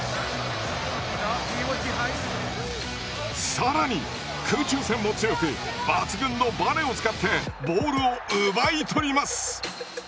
更に空中戦も強く抜群のバネを使ってボールを奪い取ります。